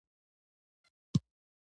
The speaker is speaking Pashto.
مراعات هم موندلي وي ۔